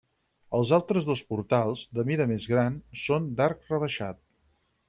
Els altres dos portals, de mida més gran, són d'arc rebaixat.